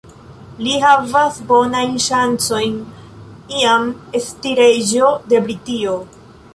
Li havas bonajn ŝancojn iam esti reĝo de Britio.